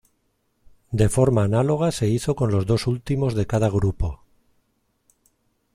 De forma análoga se hizo con los dos últimos de cada grupo.